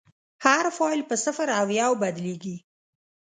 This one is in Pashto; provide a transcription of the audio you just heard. هر فایل په صفر او یو بدلېږي.